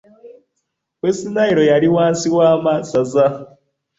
West Nile yali wansi w'amasaza.